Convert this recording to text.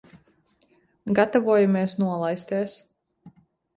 Gatavojamies nolaisties.